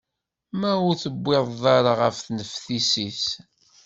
Ma ur tewwiḍeḍ ara ɣer tnefsit-is.